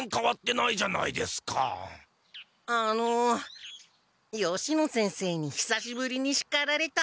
あの吉野先生にひさしぶりにしかられた。